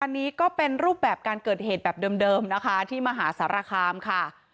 อันนี้ก็เป็นรูปแบบการเกิดเหตุแบบเดิมนะคะที่มหาสารคามค่ะ